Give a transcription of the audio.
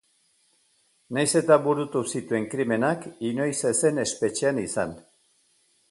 Nahiz eta burutu zituen krimenak inoiz ez zen espetxean izan.